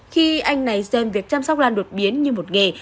khi anh này xem việc chăm sóc lan đột biến như một nghề